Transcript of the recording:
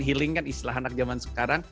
healing kan istilah anak zaman sekarang